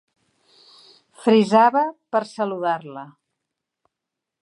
Frisava per saludar-la.